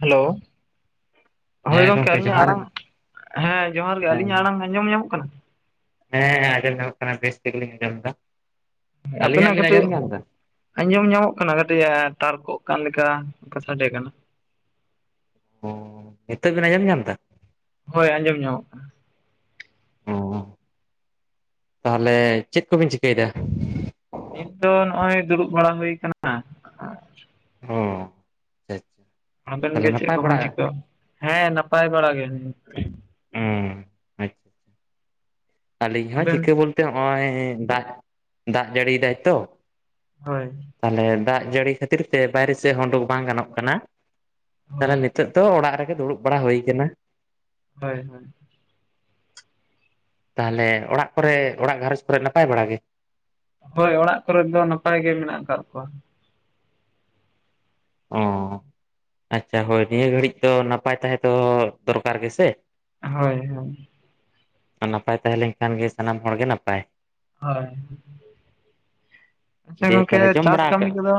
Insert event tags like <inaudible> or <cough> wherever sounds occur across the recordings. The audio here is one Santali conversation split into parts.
ᱦᱮᱞᱳ ᱦᱳᱭ ᱦᱮᱸ ᱜᱚᱝᱠᱮ ᱟᱹᱞᱤᱧ ᱟᱜ ᱡᱚᱦᱟᱨ ᱟᱲᱟᱝ ᱜᱮ ᱦᱮᱸ ᱡᱚᱦᱟᱨ ᱜᱮ ᱟᱹᱞᱤᱧ ᱟᱜ ᱟᱲᱟᱝ ᱟᱸᱡᱚᱢ ᱧᱟ ᱢᱚᱜ ᱠᱟᱱᱟ ᱦᱮᱸ ᱦᱮᱸ ᱟᱡᱚᱢ ᱧᱟᱢ ᱠᱟᱱᱟ ᱵᱮᱥ ᱛᱮ ᱜᱮ ᱞᱤᱧ ᱟᱸᱡᱚᱢ ᱮᱫᱟ ᱟᱵᱤᱱ ᱟᱹᱞᱤᱧᱟᱜ ᱱᱟᱜ ᱵᱤᱱ ᱠᱟᱹᱴᱤᱡ ᱟᱸᱡᱚᱢ ᱧᱟᱢ ᱮᱫᱟ ᱟᱸᱡᱚᱢ ᱧᱟ ᱢᱚᱜ ᱠᱟᱱᱟ ᱠᱟᱹᱴᱤᱡ ᱛᱟᱨ ᱠᱚᱜ ᱠᱟᱱ ᱞᱮᱠᱟ ᱥᱟᱰᱮ ᱠᱟᱱᱟ ᱚ ᱱᱤᱛᱚᱜ ᱵᱤᱱ ᱟᱸᱡᱚᱢ ᱧᱟᱢ ᱫᱟ ᱦᱳᱭ ᱟᱸᱡᱚᱢ ᱧᱟ ᱢᱚᱜᱼᱟ ᱠᱟᱱᱟ ᱚ ᱛᱟᱦᱞᱮ ᱪᱮᱫ ᱠᱚᱵᱤᱱ ᱪᱤᱠᱟᱹᱭ ᱫᱟ ᱱᱤᱛ ᱫᱚ ᱱᱚᱜ ᱚᱭ ᱫᱩᱲᱩᱵ ᱵᱟᱲᱟ ᱦᱩᱭ ᱟᱠᱟᱱᱟ ᱟᱪᱪᱷᱟ ᱚ ᱟᱪᱪᱷᱟ ᱟᱪᱪᱷᱟ ᱟᱵᱮᱱ ᱛᱟᱦᱚᱞᱮ ᱜᱮ ᱪᱮᱫ ᱱᱟᱯᱟᱭ ᱠᱚ ᱵᱮᱱ ᱵᱟᱲᱟᱜᱼᱟ ᱪᱤᱠᱟᱹᱭ ᱮᱫᱟ ᱦᱮᱸ ᱱᱟᱯᱟᱭ ᱵᱟᱲᱟ ᱜᱮ ᱱᱤᱛ ᱫᱚ ᱩᱸ ᱟᱪ ᱟᱹᱞᱤᱧ ᱦᱚᱸ ᱟᱵᱮᱱ ᱪᱤᱠᱟᱹ ᱵᱚᱞᱛᱮ ᱦᱚᱜᱼᱚᱭ ᱫᱟᱜ ᱫᱟᱜ ᱡᱟᱹᱲᱤᱭ ᱫᱟᱭ ᱛᱚ ᱦᱳᱭ ᱛᱟᱦᱞᱮ ᱫᱟᱜ ᱡᱟᱹᱲᱤ ᱠᱷᱟᱹᱛᱤᱨ ᱛᱮ ᱵᱟᱭᱨᱮ ᱥᱮᱫ ᱩᱸᱰᱳᱠ ᱵᱟᱝ ᱜᱟᱱᱚᱜ ᱠᱟᱱᱟ ᱛᱟᱦᱞᱮ ᱦᱳᱭ ᱱᱤᱛᱚᱜ ᱛᱚ ᱚᱲᱟᱜ ᱨᱮᱜᱮ ᱫᱩᱲᱩᱵ ᱵᱟᱲᱟ ᱦᱩᱭᱠᱟᱱᱟ ᱦᱳᱭ ᱦᱳᱭ ᱛᱟᱦᱚᱞᱮ ᱚᱲᱟᱜ ᱠᱚᱨᱮ ᱚᱲᱟᱜ ᱜᱷᱟᱨᱚᱸᱡᱽ ᱠᱚᱨᱮ ᱱᱟᱯᱟᱭ ᱵᱟᱲᱟ ᱜᱮ? ᱦᱳᱭ ᱚᱲᱟᱜ ᱠᱚᱨᱮ ᱫᱚ ᱱᱟᱯᱟᱭ ᱜᱮ ᱢᱮᱱᱟᱜ ᱟᱠᱟᱫ ᱠᱚᱣᱟ ᱚ ᱟᱪᱪᱷᱟ ᱦᱳᱭ ᱱᱤᱭᱟᱹ ᱜᱷᱟᱹᱲᱤᱡ ᱫᱚ ᱱᱟᱯᱟᱭ ᱛᱟᱦᱮᱸ ᱫᱚ ᱫᱚᱨᱠᱟᱨ ᱜᱮᱥᱮ ᱦᱳᱭ ᱦᱳᱭ ᱟᱨ ᱱᱟᱯᱟᱭ ᱛᱟᱦᱮᱸ ᱞᱮᱱ ᱠᱷᱟᱱ ᱜᱮ ᱥᱟᱱᱟᱢ ᱦᱚᱲᱜᱮ ᱱᱟᱯᱟᱭ ᱦᱳᱭ ᱟᱪᱪᱷᱟ ᱫᱤᱭᱮ ᱜᱚᱢᱠᱮ ᱛᱟᱦᱚᱞᱮ ᱡᱚᱢ ᱪᱟᱥ ᱵᱟᱲᱟ ᱠᱟᱹᱢᱤ ᱟᱠᱟᱜ ᱠᱚᱫᱚ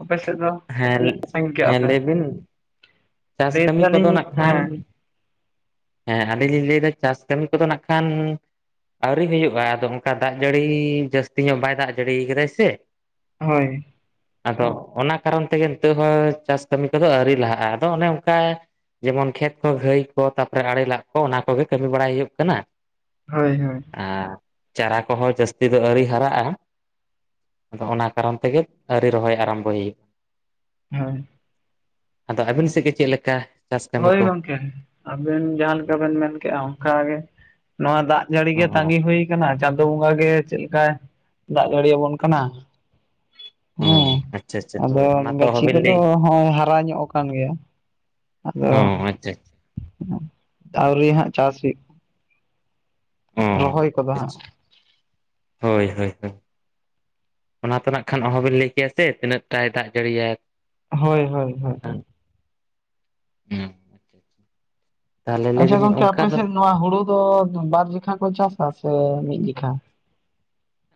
ᱟᱯᱮ ᱥᱮᱫ ᱫᱚ ᱦᱮᱸ ᱛᱤᱱᱟᱹᱜ ᱥᱟᱺᱜᱤᱧ ᱠᱮᱜᱼᱟ ᱦᱮᱸ ᱯᱮ? ᱞᱟᱹᱭ ᱵᱤᱱ ᱪᱟᱥ ᱞᱟᱹᱭ ᱠᱟᱹᱢᱤ ᱠᱚᱫᱚ ᱫᱟᱞᱤᱧ ᱱᱟᱜ ᱠᱷᱟᱱ ᱦᱮᱸ ᱦᱮᱸ ᱟᱹᱞᱤᱧ ᱞᱤᱧ ᱞᱟᱹᱭᱫᱟ ᱪᱟᱥ ᱠᱟᱹᱢᱤ ᱠᱚᱫᱚ ᱱᱟᱜ ᱠᱷᱟᱱ ᱟᱣᱨᱤ ᱦᱳᱭᱳᱜᱼᱟ ᱟᱫᱚ ᱚᱱᱠᱟ ᱫᱟᱜ ᱡᱟᱹᱲᱤ, ᱡᱟᱹᱥᱛᱤ ᱧᱚᱜ ᱵᱟᱭ ᱫᱟᱜ ᱡᱟᱹᱲᱤ ᱠᱟᱫᱟᱭ ᱥᱮ ᱦᱳᱭ᱾ ᱟᱫᱚ ᱚᱱᱟ ᱠᱟᱨᱚᱱ ᱛᱮᱜᱮ ᱱᱤᱛᱳᱜ ᱦᱚᱸ, ᱪᱟᱥ ᱠᱟᱹᱢᱤ ᱠᱚᱫᱚ ᱟᱹᱣᱨᱤ ᱞᱟᱦᱟᱜᱼᱟ᱾ ᱟᱫᱚ ᱚᱱᱮ ᱚᱱᱠᱟ ᱡᱮᱢᱚᱱ ᱠᱷᱮᱛ ᱠᱚ ᱜᱷᱟᱹᱭ ᱠᱚ, ᱛᱟᱯᱚᱨᱮ ᱟᱲᱮ ᱞᱟᱜ ᱠᱚ, ᱚᱱᱟ ᱠᱚᱜᱮ ᱠᱟᱹᱢᱤ ᱵᱟᱲᱟᱭ ᱦᱳᱭᱳᱜ ᱠᱟᱱᱟ᱾ ᱦᱳᱭᱻ ᱦᱳᱭᱻ᱾ ᱟᱨ ᱪᱟᱨᱟ ᱠᱚᱦᱚᱸ ᱡᱟᱹᱥᱛᱤ ᱫᱚ ᱟᱹᱣᱨᱤ ᱦᱟᱨᱟᱜᱼᱟ᱾ ᱟᱫᱚ ᱚᱱᱟ ᱠᱟᱨᱚᱱ ᱛᱮᱜᱮ ᱟᱹᱨᱤ ᱨᱚᱦᱚᱭ ᱟᱨᱟᱢᱵᱚᱭ ᱦᱳᱭ᱾ ᱟᱫᱚ ᱟᱹᱵᱤᱱ ᱥᱮᱫ ᱜᱮ ᱪᱮᱫ ᱞᱮᱠᱟ? ᱪᱟᱥ ᱠᱟᱹᱢᱤ ᱦᱳᱭ ᱠᱚ? ᱜᱚᱝᱠᱮ, ᱟᱵᱮᱱ ᱡᱟᱦᱟᱸ ᱞᱮᱠᱟᱵᱮᱱ ᱢᱮᱱ ᱠᱮᱜᱼᱟ ᱚᱱᱠᱟ ᱜᱮ᱾ ᱱᱚᱣᱟ ᱫᱟᱜ ᱡᱟᱹᱲᱤ ᱚ ᱜᱮ ᱛᱟᱸᱜᱤ ᱦᱳᱭ ᱠᱟᱱᱟ ᱪᱟᱸᱫᱳ ᱵᱚᱸᱜᱟ ᱜᱮ ᱪᱮᱫ ᱞᱮᱠᱟᱭ ᱫᱟᱜ ᱡᱟᱹᱲᱤ ᱟᱵᱚᱱ ᱠᱟᱱᱟ᱾ ᱦᱚᱸ ᱟᱪᱪᱷᱟ ᱟᱪᱪᱷᱟ ᱟᱫᱚ ᱦᱳᱭ ᱚᱱᱟ ᱛᱚ ᱜᱟᱹᱪᱷᱤ ᱚᱦᱚᱵᱤᱱ ᱠᱚᱫᱚ ᱞᱟᱹᱭ ᱦᱚᱸᱜ-ᱚᱭ ᱦᱟᱨᱟ ᱧᱚᱜ ᱠᱟᱱ ᱜᱮᱭᱟ᱾ ᱟᱫᱚ ᱚ ᱟᱪᱪᱷᱟ ᱟᱹᱣᱨᱤ ᱦᱟᱸᱜ ᱪᱟᱥ ᱦᱩᱭᱩᱜ ᱚ ᱨᱚᱦᱚᱭ ᱠᱚᱫᱚ ᱦᱟᱸᱜ ᱦᱳᱭᱻ ᱦᱳᱭᱻ ᱦᱳᱭᱻ᱾ ᱚᱱᱟ ᱛᱚ ᱱᱟᱜ ᱠᱷᱟᱱ ᱚᱦᱚᱵᱤᱱ ᱞᱟᱹᱭ ᱠᱮᱭᱟ ᱥᱮ, ᱛᱤᱱᱟᱹᱜ ᱴᱟᱭ ᱫᱟᱜ ᱡᱟᱹᱲᱤ ᱭᱟᱭ᱾ ᱦᱳᱭᱻ ᱦᱳᱭᱻ ᱦᱳᱭᱻ᱾ ᱦᱩᱸ ᱟᱪᱪᱷᱟ ᱟᱪᱪᱷᱟ <unintelligible> ᱟᱪᱪᱷᱟ ᱜᱚᱝᱠᱮ ᱟᱯᱮᱥᱮᱫ ᱱᱚᱣᱟ ᱦᱩᱲᱩ ᱫᱚ ᱵᱟᱨ ᱡᱚᱠᱷᱟ ᱠᱚ ᱪᱟᱥᱟ ᱥᱮ ᱢᱤᱫ ᱡᱚᱠᱷᱟ?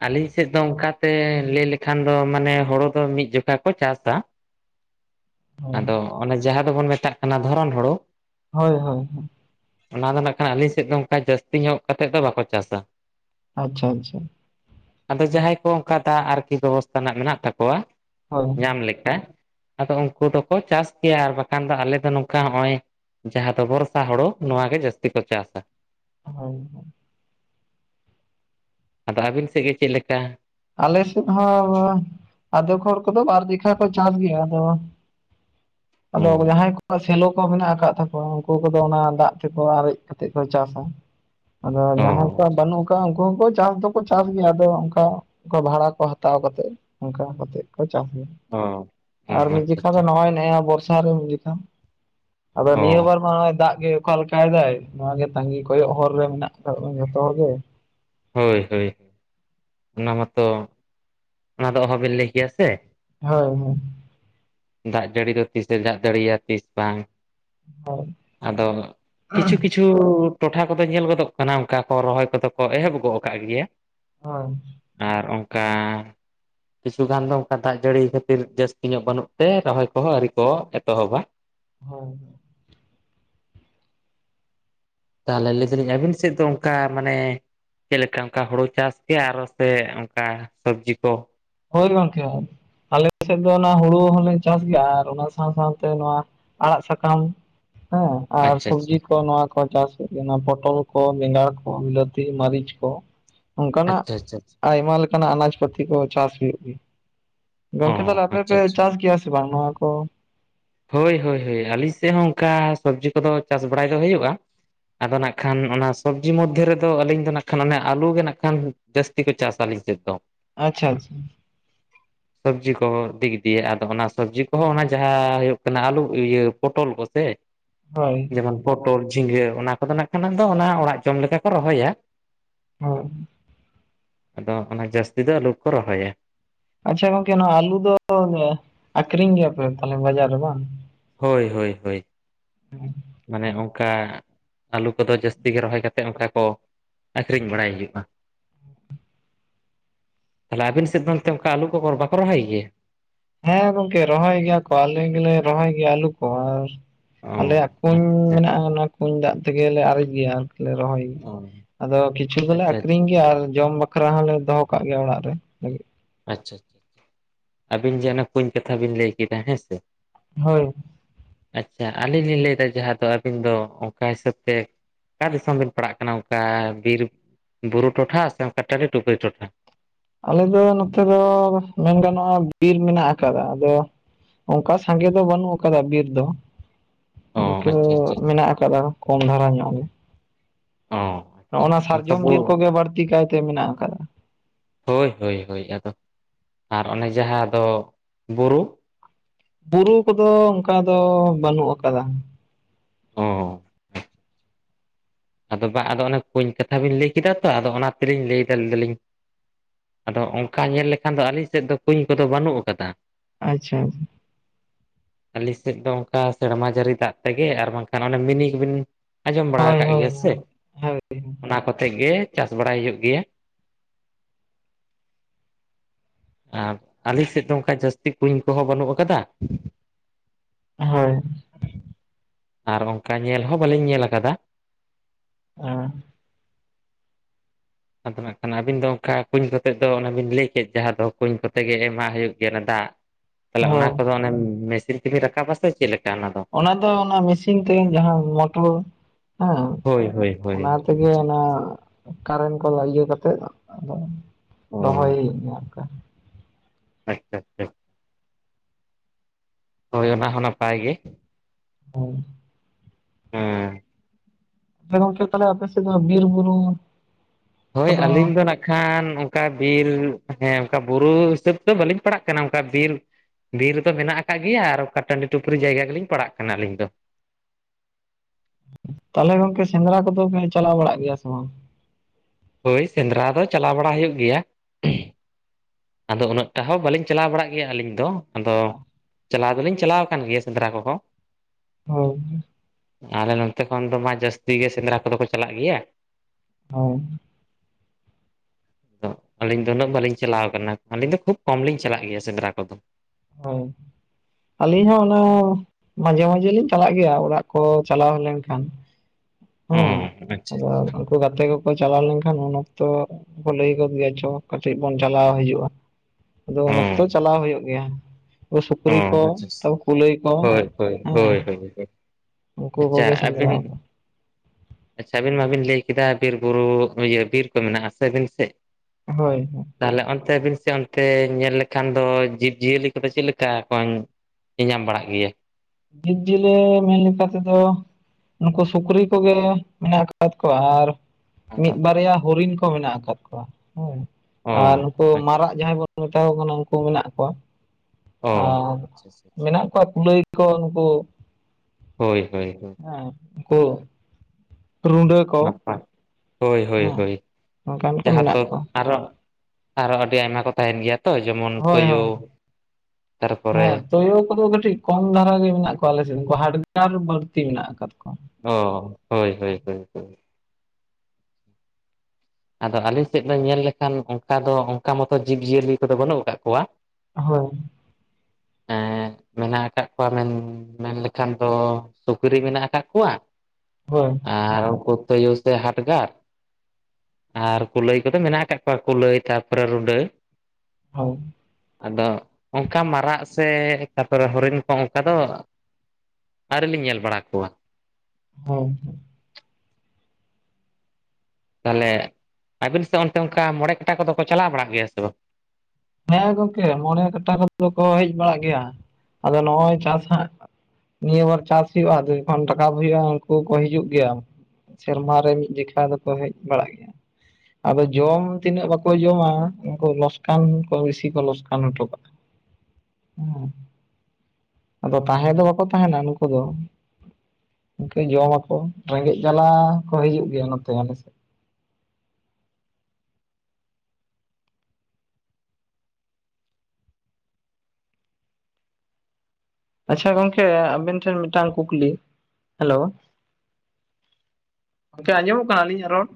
ᱟᱹᱞᱤᱧ ᱥᱮᱫ ᱫᱚ ᱚᱱᱠᱟᱛᱮ ᱞᱟᱹᱭ ᱞᱮᱠᱷᱟᱱ ᱫᱚ ᱢᱟᱱᱮ ᱦᱳᱲᱳ ᱫᱚ, ᱢᱤᱫ ᱡᱚᱠᱷᱟ ᱠᱚ ᱪᱟᱥᱟ᱾ <inaudible> ᱟᱫᱚ ᱚᱱᱮ ᱡᱟᱦᱟᱸ ᱫᱚᱵᱚᱱ ᱢᱮᱛᱟᱜ ᱠᱟᱱᱟ ᱫᱷᱚᱨᱚᱱ ᱦᱳᱲᱳ᱾ ᱦᱳᱭᱻ ᱦᱳᱭᱻ᱾ ᱚᱱᱟ ᱫᱚ ᱱᱟᱜ ᱠᱷᱟᱱ ᱟᱞᱤᱧ ᱥᱮᱜ ᱫᱚ, ᱚᱱᱠᱟ ᱡᱟᱹᱥᱛᱤ ᱧᱚᱜ ᱠᱟᱛᱮᱫ ᱫᱚ ᱵᱟᱠᱚ ᱪᱟᱥᱟ᱾ ᱟᱪᱪᱷᱟᱻ ᱟᱪᱪᱷᱟᱻ᱾ ᱟᱫᱚ ᱡᱟᱦᱟᱸᱭ ᱠᱚ ᱚᱱᱠᱟ ᱫᱟᱜ ᱟᱨᱠᱤ ᱵᱮᱵᱚᱥᱛᱷᱟ ᱨᱮᱱᱟᱜ ᱢᱮᱱᱟᱜ ᱛᱟᱠᱚᱣᱟ ᱦᱳᱭ ᱧᱟᱢ ᱞᱮᱠᱟ ᱟᱫᱚ ᱩᱱᱠᱩ ᱫᱚᱠᱚ ᱪᱟᱥ ᱜᱮᱭᱟ ᱟᱨ ᱵᱟᱠᱷᱟᱱ ᱫᱚ ᱟᱞᱮ ᱫᱚ ᱱᱚᱝᱠᱟ ᱦᱚᱜᱼᱚᱭ ᱡᱟᱦᱟᱸ ᱫᱚ ᱵᱚᱨᱥᱟ ᱦᱳᱲᱳ ᱱᱚᱣᱟ ᱜᱮ ᱡᱟᱹᱥᱛᱤ ᱠᱚ ᱪᱟᱥᱟ᱾ ᱦᱳᱭᱻ ᱦᱮᱸ᱾ ᱟᱫᱚ ᱟᱹᱵᱤᱱ ᱥᱮᱜ ᱜᱮ ᱪᱮᱜ ᱞᱮᱠᱟ? ᱟᱞᱮ ᱥᱮᱫ ᱦᱚ ᱟᱫᱷᱮᱠ ᱦᱚᱲ ᱠᱚᱫᱚ ᱵᱟᱨ ᱡᱮᱠᱷᱟ ᱠᱚ ᱪᱟᱥ ᱜᱮᱭᱟ ᱟᱫᱚ, ᱚ ᱟᱫᱚ ᱡᱟᱦᱟᱸᱭ ᱠᱚᱣᱟᱜ ᱥᱮᱞᱳ ᱠᱚ ᱢᱮᱱᱟᱜ ᱟᱠᱟᱫ ᱛᱟᱠᱚᱣᱟ ᱩᱱᱠᱩ ᱠᱚᱫᱚ ᱚᱱᱟ ᱫᱟᱜ ᱛᱮᱠᱚ ᱟᱨᱮᱡ ᱠᱟᱛᱮ ᱠᱚ ᱪᱟᱥᱟ᱾ ᱟᱫᱚ ᱚ ᱡᱟᱦᱟᱸᱭ ᱠᱚᱣᱟᱜ ᱟᱪᱪᱷᱟ ᱵᱟᱹᱱᱩᱜ ᱠᱟᱜ, ᱩᱱᱠᱩ ᱦᱚᱸᱠᱚ ᱪᱟᱥ ᱫᱚᱠᱚ ᱪᱟᱥ ᱜᱮᱭᱟ ᱟᱫᱚ ᱚᱱᱠᱟ ᱚᱱᱠᱟ ᱵᱷᱟᱲᱟ ᱠᱚ ᱦᱟᱛᱟᱣ ᱠᱟᱛᱮᱜ ᱚᱱᱠᱟ ᱠᱟᱛᱮᱜ ᱠᱚ ᱪᱟᱥ ᱜᱮᱭᱟ᱾ ᱦᱚᱸ᱾ ᱟᱨ ᱢᱤᱫ ᱡᱮᱠᱷᱟ ᱫᱚ ᱱᱚᱜ-ᱚᱭ ᱱᱮᱜ-ᱮ ᱟᱻ ᱵᱚᱨᱥᱟ ᱨᱮ ᱢᱤ ᱢᱤᱫ ᱡᱚᱠᱷᱟ ᱟᱫᱚ ᱚ ᱱᱤᱭᱟᱹ ᱵᱟᱨ ᱢᱟ ᱱᱚᱜ-ᱚᱭ ᱫᱟᱜ ᱜᱮᱼᱼ ᱚᱠᱟ ᱞᱮᱠᱟᱭ ᱫᱟᱭ ᱱᱚᱣᱟ ᱜᱮ ᱛᱟᱸᱜᱤ ᱠᱚᱭᱚᱜ ᱦᱚᱨ ᱨᱮ ᱢᱮᱱᱟᱜ ᱟᱠᱟᱫ ᱞᱮᱭᱟ ᱡᱚᱛᱚ ᱦᱚᱲ ᱜᱮ ᱦᱳᱭ ᱦᱳᱭ ᱚᱱᱟ ᱢᱟᱛᱚ ᱚᱱᱟ ᱫᱚ ᱚᱦᱚ ᱵᱮᱱ ᱞᱟᱹᱭ ᱠᱮᱭᱟ ᱥᱮ᱾ ᱦᱳᱭ ᱦᱳᱭ᱾ ᱫᱟᱜ ᱡᱟᱹᱲᱤ ᱫᱚ ᱛᱤᱥᱮ ᱫᱟᱜ ᱡᱟᱹᱲᱤᱭᱟ ᱛᱤᱥ ᱵᱟᱝ ᱦᱳᱭ ᱟᱫᱚ ᱠᱤᱪᱷᱩ ᱠᱤ ᱠᱤᱪᱷᱩ ᱴᱚᱴᱷᱟ ᱠᱚᱫᱚ ᱧᱮᱞ ᱜᱚᱫᱚᱜ ᱠᱟᱱᱟ ᱚᱱᱠᱟ ᱠᱚ ᱨᱚᱦᱚᱭ ᱠᱚᱫᱚ ᱠᱚ ᱮᱦᱚᱵ ᱜᱚᱜ ᱠᱟᱜ ᱜᱮᱭᱟ᱾ ᱦᱚᱭ᱾ ᱟᱨ ᱚᱝᱠᱟᱼᱼ ᱠᱤᱪᱷᱩ ᱜᱟᱱ ᱫᱚ ᱚᱱᱠᱟ ᱫᱟᱜ ᱡᱟᱹᱲᱤ ᱠᱷᱟᱹᱛᱤᱨ ᱡᱟᱹᱥᱛᱤ ᱧᱚᱜ ᱵᱟᱹᱱᱩᱜ ᱛᱮ ᱨᱚᱦᱚᱭ ᱠᱚ ᱦᱚᱸ ᱟᱹᱣᱨᱤ ᱠᱚ ᱮᱛᱚᱦᱚᱵᱟ᱾ ᱦᱚᱭ ᱦᱚᱭ᱾ ᱛᱟᱦᱚᱞᱮ ᱞᱟᱹᱭ ᱫᱟᱹᱞᱤᱧ ᱟᱹᱵᱤᱱ ᱥᱮᱫ ᱫᱚ ᱚᱱᱠᱟ ᱢᱟᱱᱮᱼᱼ ᱪᱮᱫ ᱞᱮᱠᱟ, ᱚᱱᱠᱟ ᱦᱩᱲᱩ ᱪᱟᱥ ᱜᱮ, ᱟᱨᱚ ᱥᱮ ᱚᱱᱠᱟ ᱥᱚᱵᱽᱡᱤ ᱠᱚ? ᱦᱳᱭ ᱜᱚᱢᱠᱮ ᱟᱞᱮ ᱥᱮᱫ ᱫᱚ ᱚᱱᱟ ᱦᱩᱲᱩ ᱦᱚᱸᱞᱮᱧ ᱪᱟᱥ ᱜᱮᱭᱟ ᱟᱨ ᱚᱱᱟ ᱥᱟᱶ ᱥᱟᱶᱛᱮ ᱱᱚᱣᱟ ᱟᱲᱟᱜ ᱥᱟᱠᱟᱢ ᱦᱮᱸ ᱟᱨ ᱟᱪᱪᱷᱟ ᱥᱚᱵᱽᱡᱤ ᱠᱚ ᱟᱪᱪᱷᱟ ᱱᱚᱣᱟ ᱠᱚ ᱪᱟᱥ ᱦᱩᱭᱩᱜ ᱠᱟᱱᱟ, ᱯᱚᱴᱚᱞ ᱠᱚ, ᱵᱮᱸᱜᱟᱲ ᱠᱚ, ᱵᱤᱞᱟᱹᱛᱤ ᱢᱟᱹᱨᱤᱪ ᱠᱚ ᱾ ᱚᱱᱠᱟᱱᱟᱜ, ᱟᱪᱪᱷᱟ ᱟᱪᱪᱷᱟ ᱟᱭᱢᱟ ᱞᱮᱠᱟᱱᱟᱜ, ᱟᱱᱟᱡ ᱯᱟᱹᱛᱤ ᱠᱚ ᱪᱟᱥ ᱦᱩᱭᱩᱜ ᱜᱮ ᱾ ᱜᱚᱝᱠᱮ, ᱛᱟᱦᱚᱞᱮ, ᱚ ᱟᱯᱮ ᱟᱪᱪᱷᱟ ᱯᱮ ᱟᱪᱪᱷᱟ ᱪᱟᱥ ᱜᱮᱭᱟ ᱥᱮ, ᱵᱟᱝ ᱱᱚᱣᱟ ᱠᱚ? ᱦᱳᱭ ᱦᱳᱭ, ᱟᱹᱞᱤᱧ ᱥᱮᱫ ᱦᱚᱸ, ᱚᱱᱠᱟ ᱥᱚᱵᱽᱡᱤ ᱠᱚᱫᱚ ᱪᱟᱥ ᱵᱟᱲᱟᱭ ᱫᱚ ᱦᱩᱭᱩᱜ-ᱟ ᱾ ᱟᱫᱚ ᱱᱟᱜᱠᱷᱟᱱ ᱚᱱᱟ, ᱥᱚᱵᱽᱡᱤ ᱢᱚᱫᱽᱫᱷᱮ ᱨᱮᱫᱚ, ᱟᱹᱞᱤᱧ ᱫᱚ ᱱᱟᱜ ᱠᱷᱟᱱ, ᱚᱱᱮ ᱟᱹᱞᱩ ᱜᱮ ᱱᱟᱜᱠᱷᱟᱱ ᱡᱟᱹᱥᱛᱤ ᱠᱚ, ᱪᱟᱥᱟ ᱟᱹᱞᱤᱧ ᱥᱮᱫ ᱫᱚ ᱾ ᱟᱼᱪᱪᱷᱟ, ᱟᱪᱪᱷᱟ ᱾ ᱥᱚᱵᱽᱡᱤ ᱠᱚ ᱦᱚᱸ ᱤᱠ ᱤᱫᱤᱭᱟᱹ ᱟᱫᱚ ᱚᱱᱟ ᱥᱚᱵᱽᱡᱤ ᱠᱚᱦᱚᱸ ᱚᱱᱟ ᱡᱟᱦᱟᱸ ᱦᱩᱭᱩᱜ ᱠᱟ ᱠᱟᱱᱟ ᱟᱹᱞᱩ ᱤᱭᱟᱹ ᱯᱚᱴᱚᱞ ᱠᱚᱥᱮ ᱦᱳᱭ ᱡᱮᱢᱚᱱ ᱯᱚᱴᱚᱞ ᱡᱷᱤᱸᱜᱟᱹ ᱚᱱᱟ ᱠᱚᱫᱚ ᱱᱟᱜᱠᱷᱟᱱᱟᱜ ᱫᱚ ᱚᱱᱟ ᱚᱲᱟᱜ ᱡᱚᱢ ᱞᱮᱠᱟ ᱠᱚ ᱨᱚᱦᱚᱭᱟ᱾ ᱦᱳᱭ᱾ ᱟᱫᱚ ᱚᱱᱟ ᱡᱟᱹᱥᱛᱤ ᱫᱚ ᱟᱹᱞᱩ ᱠᱚ ᱨᱚᱦᱚᱭᱟ᱾ ᱟᱪᱪᱷᱟ ᱜᱚᱝᱠᱮ? ᱱᱚᱣᱟ ᱟᱞᱩ ᱫᱚ ᱟᱠᱷᱨᱤᱧ ᱜᱮᱭᱟᱯᱮ ᱛᱟᱦᱚᱞᱮ, ᱵᱟᱡᱟᱨ ᱨᱮ ᱵᱟᱝ? ᱦᱳᱭ ᱦᱳᱭ ᱦᱳᱭ ᱢᱟᱱᱮ ᱚᱠ ᱚᱱᱠᱟ ᱟᱹᱞᱩ ᱠᱚᱫᱚ ᱡᱟᱹᱥᱛᱤ ᱜᱮ ᱨᱚᱦᱚᱭ ᱠᱟᱛᱮᱫ ᱚᱱᱠᱟ ᱠᱚ ᱟᱹᱠᱷᱨᱤᱧ ᱵᱟᱲᱟᱭ ᱦᱩᱭᱩᱜ-ᱟ᱾ ᱛᱟᱦᱚᱞᱮ, ᱟᱵᱤᱱ ᱥᱮᱫ ᱫᱚ ᱱᱤᱛᱚᱜ ᱟᱞᱩ ᱠᱚᱠᱚ ᱵᱟᱠᱚ ᱨᱚᱦᱚᱭ ᱜᱮ? ᱦᱮᱸᱻ, ᱜᱚᱝᱠᱮ, ᱨᱚᱦᱚᱭ ᱜᱮᱭᱟ ᱠᱚ, ᱟ. ᱞᱤᱧ ᱜᱤᱞᱤᱧ ᱨᱚᱦᱚᱭ ᱜᱮᱭᱟ, ᱟᱞᱩ ᱠᱚ ᱟᱨ ᱚ ᱟᱞᱮᱭᱟᱜ ᱠᱩᱧ ᱟᱪᱪᱷᱟ ᱟᱪᱪᱷᱟ ᱢᱮᱱᱟᱜ-ᱟ ᱚᱱᱟ ᱠᱩᱧ ᱫᱟᱜ ᱛᱮᱜᱮᱞᱮ ᱟᱨᱮᱡ ᱜᱮᱭᱟ᱾ ᱞᱮ ᱨᱚᱦᱚᱭ ᱜᱮᱭᱟ ᱚ ᱟᱫᱚ ᱠᱤᱪᱷᱩ ᱫᱚᱞᱮ ᱟᱪᱪᱷᱟ ᱟᱪᱪᱷᱟ ᱟᱠᱷᱨᱤᱧ ᱜᱮᱭᱟ ᱟᱪᱪᱷᱟ ᱟᱨ ᱡᱚᱢ ᱵᱟᱠᱷᱨᱟ ᱦᱚᱸᱞᱮ, ᱫᱚᱦᱚ ᱠᱟᱜ ᱜᱮᱭᱟ, ᱚᱲᱟᱜ ᱨᱮ ᱞᱟᱹᱜᱤᱫ ᱾ ᱟᱪᱪᱷᱟ ᱟᱪᱪᱷᱟ ᱟᱹᱵᱤᱱ ᱡᱮ ᱚᱱᱟ ᱠᱩᱧ ᱠᱟᱛᱷᱟ ᱵᱤᱱ ᱞᱟᱹᱭ ᱠᱮᱫᱟ ᱦᱮᱸᱥᱮ ᱦᱳᱭ ᱾ ᱟᱪᱪᱷᱟ ᱟᱹᱞᱤᱧ ᱞᱤᱧ ᱞᱟᱹᱭᱫᱟ ᱡᱟᱦᱟᱸ ᱫᱚ ᱟᱹᱵᱤᱱ ᱫᱚ ᱚᱱᱠᱟ ᱦᱤᱥᱟᱹᱵ ᱛᱮ ᱚᱠᱟ ᱫᱤᱥᱚᱢ ᱵᱤᱱ ᱯᱟᱲᱟᱜ ᱠᱟᱱᱟ ᱾ ᱚᱱᱠᱟ ᱵᱤᱨ ᱵᱩᱨᱩ ᱴᱚᱴᱷᱟ ᱥᱮ? ᱚᱱᱠᱟ ᱴᱟᱺᱰᱤ ᱴᱩᱯᱨᱤ ᱴᱚᱴᱷᱟ ᱾ ᱟᱞᱮ ᱫᱚ ᱱᱚᱛᱮ ᱫᱚ ᱢᱮᱱ ᱜᱟᱱᱚᱜ-ᱟ ᱵᱤᱨ ᱢᱮᱱᱟᱜ ᱟᱠᱟᱫᱟ ᱟᱫᱚ ᱚᱱᱠᱟ ᱥᱟᱸᱜᱮ ᱫᱚ ᱵᱟᱹᱱᱩᱜ ᱟᱠᱟᱫᱟ ᱵᱤᱨ ᱫᱚ᱾ ᱚ ᱤᱱᱠᱟᱹ ᱟᱪᱪᱷᱟ ᱟᱪᱪᱷᱟ ᱟᱪᱪᱷᱟ ᱢᱮᱱᱟᱜ ᱟᱠᱟᱫᱟ, ᱠᱚᱢ ᱫᱷᱟᱨᱟ ᱧᱚᱜ ᱜᱮ ᱾ ᱚ, ᱟᱪᱪᱷᱟ ᱱᱚᱜ-ᱚᱭ ᱟᱪᱪᱷᱟ ᱱᱚᱣᱟ ᱚᱱᱠᱟ ᱥᱟᱨᱡᱚᱢ ᱵᱤᱨ ᱵᱩᱨᱩ ᱠᱚᱜᱮ ᱵᱟᱹᱲᱛᱤ ᱠᱟᱭᱛᱮ ᱢᱮᱱᱟᱜ ᱟᱠᱟᱫᱟ᱾ ᱦᱳᱭ, ᱦᱳᱭ ᱦᱳᱭ, ᱟᱫᱚ ᱟᱨ ᱚᱱᱮ ᱡᱟᱦᱟᱸ ᱫᱚ ᱵᱩᱨᱩ ᱵᱩᱨᱩ ᱠᱚᱫᱚ ᱚᱱᱠᱟ ᱫᱚ ᱵᱟᱹᱱᱩᱜ ᱟᱠᱟᱫᱟ᱾ ᱚ ᱟᱫᱚ ᱵᱟᱝ ᱟᱫᱚ ᱚᱱᱮ ᱠᱩᱧ ᱠᱟᱛᱷᱟ ᱵᱤᱱ ᱞᱟᱹᱭ ᱠᱮᱫᱟ ᱛᱚ ᱟᱫᱚ ᱚᱱᱟ ᱛᱮᱞᱤᱧ ᱞᱟᱹᱭᱟ ᱞᱟᱹᱭ ᱫᱟᱞᱤᱧ ᱟᱫᱚ ᱚᱱᱠᱟ ᱧᱮᱞ ᱞᱮᱠᱷᱟᱱ ᱫᱚ ᱟᱹᱞᱤᱧ ᱥᱮᱫ ᱫᱚ ᱠᱩᱧ ᱠᱚᱫᱚ ᱵᱟᱹᱱᱩᱜ ᱟᱠᱟᱫᱟ᱾ ᱟᱪᱪᱷᱟ᱾ ᱟᱞᱮᱥᱮᱫ ᱫᱚ ᱚᱱᱠᱟ ᱥᱮᱨᱢᱟ ᱡᱟᱹᱲᱤ ᱫᱟᱜ ᱛᱮᱜᱮ, ᱟᱨ ᱵᱟᱝᱠᱷᱟᱱ ᱚᱱᱮ ᱢᱤᱱᱤ ᱠᱚᱵᱤᱱ ᱟᱸᱡᱚᱢ ᱵᱟᱲᱟ ᱦᱳᱭ ᱟᱠᱟᱫ ᱦᱳᱭ ᱜᱮᱭᱟ ᱦᱳᱭ ᱚᱱᱟ ᱠᱚᱛᱮ ᱜᱮ ᱪᱟᱥ ᱵᱟᱲᱟᱭ ᱦᱳᱭᱳᱜ ᱜᱮᱭᱟ᱾ <inaudible> ᱟᱨ ᱟᱞᱮ ᱥᱮᱫ ᱫᱚ ᱚᱝᱠᱟ ᱡᱟᱹᱥᱛᱤ ᱠᱩᱧ ᱠᱚᱦᱚᱸ ᱵᱟᱹᱱᱩᱜ ᱠᱟᱫᱟ᱾ ᱦᱳᱭ᱾ ᱟᱨ ᱚᱱᱠᱟ ᱧᱮᱞ ᱦᱚᱸ ᱵᱟᱹᱞᱤᱧ ᱧᱮᱞ ᱠᱟᱫᱟ᱾ ᱚᱸᱻ᱾ ᱟᱫᱚ ᱱᱟᱜ ᱠᱷᱟᱱ ᱟᱹᱵᱤᱱ ᱫᱚ ᱚᱱᱠᱟ ᱠᱩᱧ ᱠᱚᱛᱮ ᱫᱚ ᱚᱱᱟ ᱵᱤᱱ ᱞᱟᱹᱭ ᱠᱮᱫ ᱡᱟᱦᱟᱸ ᱫᱚ ᱠᱩᱧ ᱠᱚᱛᱮ ᱜᱮ ᱮᱢᱟ ᱦᱳᱭᱳᱜ ᱜᱮᱭᱟ ᱚᱱᱟ ᱫᱟᱜ᱾ ᱛᱟᱦᱚᱞᱮ ᱚᱱᱟ ᱦᱳᱭ ᱠᱚᱫᱚ ᱚᱱᱮ ᱢᱮᱥᱤᱱ ᱛᱮᱵᱤᱱ ᱨᱟᱠᱟᱵᱟ ᱥᱮ ᱪᱮᱫᱮᱠᱟ ᱚᱱᱟ ᱫᱚ? ᱚᱱᱟ ᱫᱚ ᱚᱱᱟ ᱢᱮᱥᱤᱱ ᱛᱮ ᱡᱟᱦᱟᱸ ᱢᱚᱴᱚᱨ ᱦᱮᱸ ᱦᱳᱭ ᱦᱳᱭ ᱦᱳᱭ ᱚᱱᱟ ᱛᱮᱜᱮ ᱟᱪᱪᱷᱟ ᱟᱪᱪᱷᱟ ᱚᱱᱟ ᱠᱟᱨᱮᱱ ᱠᱚ ᱤᱭᱟᱹ ᱠᱟᱛᱮᱫ ᱟᱫᱚ ᱚ ᱨᱚᱦᱚᱭ ᱦᱳᱭᱳᱜ ᱜᱮᱭᱟ ᱚᱱᱠᱟ᱾ ᱟᱪᱪᱷᱟᱻᱟᱪᱪᱷᱟᱻ᱾ ᱦᱳᱭ ᱚᱱᱟ ᱦᱚᱸ ᱱᱟᱯᱟᱭ ᱜᱮ ᱦᱚᱭ ᱦᱮᱸ ᱜᱚᱝᱠᱮ ᱛᱟᱦᱟᱞᱮ ᱟᱯᱮᱥᱮᱫ ᱫᱚ ᱵᱤᱨᱼ ᱵᱩᱨᱩ ᱦᱳᱭ ᱠᱚᱫᱚ ᱟᱹᱞᱤᱧ ᱫᱚ ᱱᱟᱜ ᱠᱷᱟᱱ ᱚᱱᱠᱟ ᱵᱤᱨ ᱦᱮᱸ ᱚᱱᱠᱟ ᱵᱩᱨᱩ ᱦᱤᱥᱟᱹᱵ ᱛᱮ ᱵᱟᱹᱞᱤᱧ ᱯᱟᱲᱟᱜ ᱠᱟᱱᱟ ᱚᱱᱠᱟ ᱵᱤᱨ ᱵᱤᱨ ᱨᱮ ᱫᱚ ᱢᱮᱱᱟᱜ ᱟᱠᱟᱫ ᱜᱮᱭᱟ ᱟᱨ ᱚᱠᱟ ᱴᱟᱹᱸᱰᱤ ᱴᱩᱯᱨᱤ ᱡᱟᱭᱜᱟ ᱜᱮᱞᱤᱧ ᱯᱟᱲᱟᱜ ᱠᱟᱱᱟ ᱟᱹᱞᱤᱧ ᱫᱚ ᱾ ᱛᱟᱦᱚᱞᱮ ᱜᱚᱝᱠᱮ ᱥᱮᱸᱫᱽᱨᱟ ᱠᱚᱫᱚ ᱵᱮᱱ ᱪᱟᱞᱟᱣ ᱵᱟᱲᱟᱜ ᱜᱮᱭᱟ ᱥᱮ ᱵᱟᱝ? ᱦᱳᱭ ᱥᱮᱸᱫᱽᱨᱟ ᱫᱚ ᱪᱟᱞᱟᱣ ᱵᱟᱲᱟ ᱦᱩᱭᱩᱜ ᱜᱮᱭᱟ ᱾ ᱟᱫᱚ ᱩᱱᱟᱹᱜ ᱴᱟ ᱦᱚᱸ ᱵᱟᱹᱞᱤᱧ ᱪᱟᱞᱟᱣ ᱵᱟᱲᱟᱜ ᱜᱮᱭᱟ ᱟᱹᱞᱤᱧ ᱫᱚ ᱾ ᱟᱫᱚ ᱪᱟᱞᱟᱣ ᱫᱚᱞᱤᱧ ᱪᱟᱞᱟᱣ ᱠᱟᱱ ᱜᱮᱭᱟ ᱥᱮᱸᱫᱽᱨᱟ ᱠᱚᱦᱚ ᱾ ᱦᱳᱭ ᱟᱞᱮ ᱱᱚᱱᱛᱮ ᱠᱷᱚᱱ ᱫᱚ ᱢᱟ ᱡᱟᱹᱥᱛᱤ ᱜᱮ ᱥᱮᱸᱫᱽᱨᱟ ᱠᱚᱫᱚ ᱠᱚ ᱪᱟᱞᱟᱜ ᱜᱮᱭᱟ ᱾ ᱦᱳᱭ ᱟᱹᱞᱤᱧ ᱫᱚ ᱩᱱᱟᱹᱜ ᱵᱟᱹᱞᱤᱧ ᱪᱟᱞᱟᱣ ᱠᱟᱱᱟ ᱾ ᱟᱹᱞᱤᱧ ᱫᱚ ᱠᱷᱩᱵ ᱠᱚᱢ ᱞᱤᱧ ᱪᱟᱞᱟᱜ ᱜᱮᱭᱟ ᱥᱮᱸᱫᱽᱨᱟ ᱠᱚᱫᱚ ᱾ ᱦᱳᱭ ᱾ ᱟᱹᱞᱤᱧ ᱦᱚᱸ ᱩᱱᱟᱜ ᱢᱟᱡᱷᱮ ᱢᱟᱡᱷᱮ ᱞᱤᱧ ᱪᱟᱞᱟᱜ ᱜᱮᱭᱟ ᱚᱲᱟᱜ ᱠᱚ ᱪᱟᱞᱟᱣ ᱞᱮᱱᱠᱷᱟᱱ ᱦᱮᱸ, ᱚᱸ ᱟᱪᱪᱷᱟ ᱟᱫᱚ ᱟᱪᱪᱷᱟ ᱩᱱᱠᱩ ᱜᱟᱛᱮ ᱠᱚᱠᱚ ᱪᱟᱞᱟᱣ ᱞᱮᱱᱠᱷᱟᱱ ᱩᱱ ᱚᱠᱛᱚ ᱠᱚ ᱞᱟᱹᱭ ᱜᱚᱫ ᱜᱮᱭᱟ ᱪᱚ ᱠᱟᱹᱴᱤᱡ ᱵᱚᱱ ᱪᱟᱞᱟᱣ ᱦᱤᱡᱩᱜᱼᱟ ᱾ ᱟᱫᱚ ᱩᱱ ᱚᱠᱛᱚ ᱚᱸ ᱪᱟᱞᱟᱣ ᱦᱩᱭᱩᱜ ᱜᱮᱭᱟ‌᱾ ᱚᱸ ᱟᱪᱪᱷᱟ ᱪᱷᱟᱞᱟᱣ ᱠᱩᱞᱟᱹᱭ ᱾ ᱠᱚ ᱦᱳᱭ ᱦᱳᱭ ᱦᱮᱸ ᱦᱳᱭ ᱦᱳᱭ ᱩᱱᱠᱩ ᱟᱪᱪᱷᱟ ᱠᱚᱜᱮ ᱥᱮᱸᱫᱽᱨᱟ ᱟᱹᱵᱤᱱᱤᱡ ᱠᱚ ᱟᱪᱪᱷᱟ ᱟᱹᱵᱤᱱ ᱢᱟᱵᱤᱱ ᱞᱟᱹᱭ ᱠᱮᱫᱟ ᱵᱤᱨ ᱵᱩᱨᱩ ᱤᱭᱟᱹ ᱵᱤᱨ ᱠᱚ ᱢᱮᱱᱟᱜ ᱟᱥᱮ ᱟᱹᱵᱤᱱ ᱥᱮᱜ? ᱦᱳᱭ ᱦᱳᱭ ᱛᱟᱦᱚᱞᱮ ᱚᱱᱛᱮ ᱵᱤᱱ ᱥᱮ ᱚᱱᱛᱮ ᱧᱮᱞ ᱞᱮᱠᱷᱟᱱ ᱫᱚ ᱡᱤᱵᱽ ᱡᱤᱭᱟᱹᱞᱤ ᱠᱚᱫᱚ ᱪᱮᱫ ᱞᱮᱠᱟ ᱞᱮᱠᱟ ᱠᱚ ᱧᱮᱧᱟᱢ ᱵᱟᱲᱟᱜ ᱜᱮᱭᱟ? ᱡᱤᱵᱽ ᱡᱤᱭᱟᱹᱞᱤ ᱢᱮᱱ ᱞᱮᱠᱟ ᱛᱮᱫᱚ ᱱᱩᱠᱩ ᱥᱩᱠᱨᱤ ᱠᱚᱜᱮ ᱢᱮᱱᱟᱜ ᱟᱠᱟᱫ ᱠᱚᱣᱟ ᱟᱨ ᱢᱤᱫ ᱵᱟᱨᱭᱟ ᱦᱚᱨᱤᱱ ᱠᱚ ᱢᱮᱱᱟᱜ ᱟᱠᱟᱫ ᱠᱚᱣᱟ ᱦᱳᱭ, ᱚ ᱟᱨ ᱱᱩᱠᱩ ᱟᱪᱪᱷᱟ ᱢᱟᱨᱟᱜ ᱟᱪᱪᱷᱟ ᱡᱟᱦᱟᱸᱭ ᱵᱚᱱ ᱢᱮᱛᱟ ᱠᱚ ᱠᱟᱱᱟ ᱩᱱᱠᱩ ᱦᱚᱸ ᱢᱮᱱᱟᱜ ᱠᱚᱣᱟ ᱚ ᱟᱨ ᱟᱪᱪᱷᱟ ᱟᱪᱪᱷᱟ ᱢᱮᱱᱟᱜ ᱠᱚᱣᱟ ᱠᱩᱞᱟᱹᱭ ᱠᱚ ᱩᱱᱠᱩ ᱦᱳᱭ ᱦᱳᱭ ᱦᱳᱭ ᱦᱮᱸ ᱩᱱᱠᱩ ᱨᱩᱸᱰᱟᱹ ᱠᱚ ᱱᱟᱯᱟᱭ ᱦᱳᱭ ᱦᱳᱭ ᱦᱮᱸ ᱦᱳᱭ ᱚᱱᱠᱟᱱ ᱾ ᱠᱚ ᱡᱟᱦᱟᱸ ᱫᱚ ᱢᱮᱱᱟᱜ ᱠᱚᱣᱟ ᱟᱨᱦᱚ ᱟᱨᱦᱚ ᱟᱹᱰᱤ ᱟᱭᱢᱟ ᱠᱚ ᱛᱟᱦᱮᱱ ᱜᱮᱭᱟ ᱛᱚ ᱡᱮᱢᱚᱱ ᱦᱳᱭ ᱛᱳᱭᱳ ᱛᱟᱨᱯᱚᱨᱮ ᱛᱚᱭᱚ ᱠᱚᱫᱚ ᱠᱟᱹᱴᱤᱡ ᱠᱚᱢ ᱫᱷᱟᱨᱟ ᱜᱮ ᱢᱮᱱᱟᱜ ᱠᱚᱣᱟ ᱟᱞᱮ ᱥᱮᱫ, ᱩᱱᱠᱩ ᱦᱟᱰᱜᱟᱨ ᱵᱟᱹᱲᱛᱤ ᱢᱮᱱᱟᱜ ᱟᱠᱫ ᱠᱚᱣᱟ ᱚ ᱦᱳᱭ ᱦᱳᱭ ᱦᱳᱭ ᱦᱳᱭ ᱟᱫᱚ ᱟᱞᱮ ᱥᱮᱫ ᱫᱚ ᱧᱮᱞ ᱞᱮᱠᱷᱟᱱ ᱚᱱᱠᱟ ᱫᱚ ᱚᱱᱠᱟ ᱢᱚᱛᱚ ᱡᱤᱵᱽᱼᱡᱤᱭᱟᱹᱞᱤ ᱠᱚᱫᱚ ᱵᱟᱹᱱᱩᱜ ᱟᱠᱟᱫ ᱠᱚᱣᱟ ᱾ ᱦᱳᱭ ᱮᱻ ᱢᱮᱱᱟᱜ ᱟᱠᱟᱫ ᱠᱚᱣᱟ ᱢᱮᱱᱼ ᱢᱮᱱ ᱞᱮᱠᱷᱟᱱ ᱫᱚ ᱥᱩᱠᱨᱤ ᱢᱮᱱᱟᱜ ᱟᱠᱟᱫ ᱠᱚᱣᱟ ᱦᱳᱭ ᱟᱨ ᱩᱱᱠᱩ ᱛᱩᱭᱩ ᱥᱮ ᱦᱟᱰᱜᱟᱨ ᱟᱨ ᱠᱩᱞᱟᱹᱭ ᱠᱚᱫᱚ ᱢᱮᱱᱟᱜ ᱟᱠᱟᱫ ᱠᱚᱣᱟ, ᱠᱩᱞᱟᱹᱭ ᱛᱟᱨᱯᱚᱨᱮ ᱨᱩᱱᱰᱟᱹ ᱦᱳᱭ ᱟᱫᱚ ᱚᱱᱠᱟ ᱢᱟᱨᱟᱫ ᱥᱮ ᱛᱟᱨᱯᱚᱨᱮ ᱦᱚᱨᱤᱱ ᱠᱚ ᱚᱱᱠᱟ ᱫᱚ ᱟᱹᱣᱨᱤ ᱞᱤᱧ ᱧᱮᱞ ᱵᱟᱲᱟ ᱠᱚᱣᱟ ᱦᱳᱭ ᱦᱳᱭ ᱛᱟᱦᱚᱞᱮ ᱟᱵᱤᱱ ᱥᱮᱫ ᱚᱱᱛᱮ ᱚᱱᱠᱟ ᱢᱚᱬᱮ ᱠᱟᱴᱟ ᱠᱚᱫᱚ ᱠᱚ ᱪᱟᱞᱟᱣ ᱵᱟᱲᱟᱜ ᱜᱮᱭᱟ ᱥᱮ ᱵᱟᱝ? ᱦᱮᱸ ᱜᱚᱝᱠᱮ ᱢᱚᱬᱮ ᱠᱟᱴᱟ ᱠᱚᱫᱚ ᱠᱚ ᱦᱮᱡ ᱵᱟᱲᱟᱜ ᱜᱮᱭᱟ ᱾ ᱟᱫᱚ ᱱᱚᱜᱼᱚᱭ ᱪᱟᱥ ᱦᱟᱸᱜ ᱱᱤᱭᱟᱹ ᱵᱟᱨ ᱪᱟᱥ ᱦᱩᱭᱩᱜᱼᱟ ᱟᱫᱚ ᱡᱚᱠᱷᱚᱱ ᱨᱟᱠᱟᱵ ᱟᱜᱩ ᱦᱩᱭᱩᱜᱼᱟ ᱩᱱᱠᱩ ᱠᱚ ᱦᱤᱡᱩᱜ ᱜᱮᱭᱟ᱾ ᱥᱮᱨᱢᱟ ᱨᱮ ᱢᱤᱫ ᱡᱮᱠᱷᱟ ᱫᱚᱠᱚ ᱦᱮᱡ ᱵᱟᱲᱟᱜ ᱜᱮᱭᱟ᱾ ᱟᱫᱚ ᱡᱚᱢ ᱛᱤᱱᱟᱹᱜ ᱵᱟᱠᱚ ᱡᱚᱢᱟ ᱩᱱᱠᱩ ᱞᱚᱥᱠᱟᱱ ᱠᱚ ᱵᱤᱥᱤ ᱠᱚ ᱞᱪᱥᱠᱟᱱ ᱦᱟᱴᱟ ᱠᱟᱜᱼᱟ᱾ ᱟᱫᱚ ᱛᱟᱦᱮᱸ ᱫᱚ ᱵᱟᱠᱚ ᱛᱟᱦᱮᱸᱱᱟ ᱱᱩᱠᱩ ᱫᱚ᱾ ᱤᱱᱠᱟᱹ ᱡᱚᱢᱟᱠᱚ ᱨᱮᱸᱜᱮᱡ ᱡᱟᱞᱟᱻ ᱠᱚ ᱦᱤᱡᱩᱜ ᱜᱮᱭᱟ ᱱᱚᱛᱮ ᱟᱞᱮ ᱥᱮᱫ᱾ ᱟᱪᱪᱷᱟ ᱜᱚᱝᱠᱮ ᱟᱵᱮᱱ ᱴᱷᱮᱱ ᱢᱮᱫᱴᱟᱝ ᱠᱩᱠᱞᱤ, ᱦᱮᱞᱳᱣ ᱜᱟᱝᱠᱮ ᱟᱸᱡᱚᱢᱚᱜ ᱠᱟᱱᱟ ᱟᱞᱤᱧᱟ ᱨᱚᱲ?